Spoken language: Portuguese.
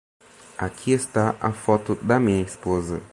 Aqui está a foto da minha esposa.